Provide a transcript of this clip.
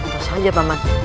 pantas saja pak man